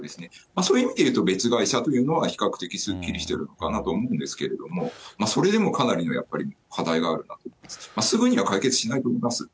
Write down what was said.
そういう意味でいうと、別会社というのは比較的すっきりしてるのかなと思うんですけれども、それでもかなりのやっぱり課題があると、すぐには解決しないと思います。